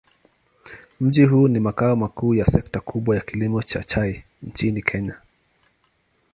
Mji huu ni makao makuu ya sekta kubwa ya kilimo cha chai nchini Kenya.